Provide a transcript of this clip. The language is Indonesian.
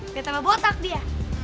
dia tambah botak dia